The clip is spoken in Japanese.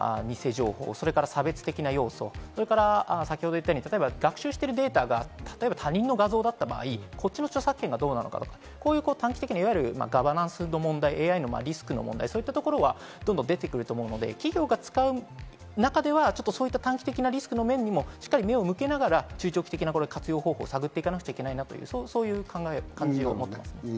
同時に短期的に例えば偽情報、差別的な要素、それから学習しているデータが例えば他人の画像だった場合、こっちの著作権がどうなのか、ガバナンスの問題、ＡＩのリスクの問題、どんどん出てくると思うので、企業が使う中では短期的なリスクの面にも目を向けながら、中長期的な活用法を探っていかなくちゃいけないなと思っています。